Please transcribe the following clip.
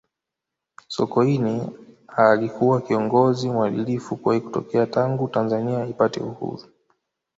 sokoine alikuwa kiongozi mwadilifu kuwahi kutokea tangu tanzania ipate uhuru